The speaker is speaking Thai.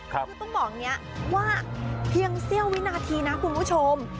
คือต้องบอกอย่างนี้ว่าเพียงเสี้ยววินาทีนะคุณผู้ชม